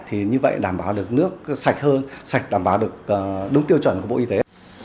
thì như vậy đảm bảo được nước sạch hơn sạch đảm bảo được đúng tiêu chuẩn của bộ y tế